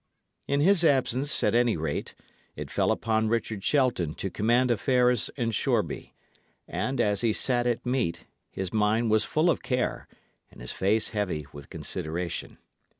In his absence, at any rate, it fell upon Richard Shelton to command affairs in Shoreby; and, as he sat at meat, his mind was full of care, and his face heavy with consideration.